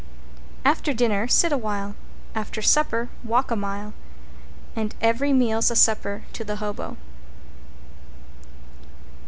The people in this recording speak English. After dinner sit a while, after supper walk a mile And every meal's a supper to the Hobo.